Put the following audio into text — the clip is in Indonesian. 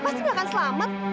pasti gak akan selamat